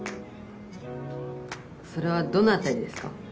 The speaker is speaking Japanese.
それはどの辺りですか？